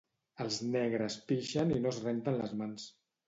Els negres pixen i no es renten les mans